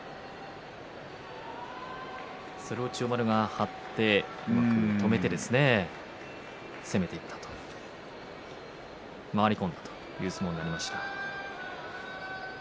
それを千代丸が張ってうまく止めて攻めていったと回り込んだという相撲になりました。